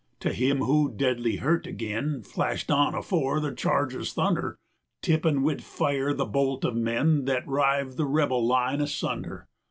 To him who, deadly hurt, agen Flashed on afore the charge's thunder, Tippin' with fire the bolt of men 135 Thet rived the Rebel line asunder?